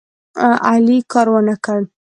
علي کار ونه کړ.